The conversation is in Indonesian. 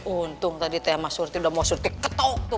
untung tadi teh mas surti udah mau surti ketuk tuh